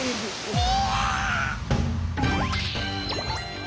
うわ！